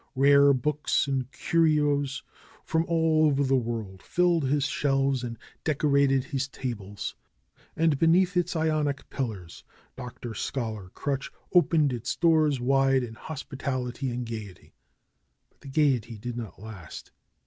Rare books and curios from all over the world filled his shelves and decorated his ta bles. And beneath its Ionic pillars Dr. Scholar Crutch opened its doors wide in hospitality and gayety. But the gayety did not last.